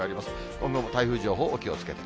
今後も台風情報お気をつけて。